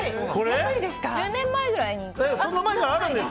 １０年前ぐらいに。